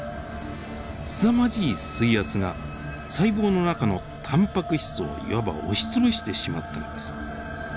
すさまじい水圧が細胞の中のたんぱく質をいわば押し潰してしまったのです。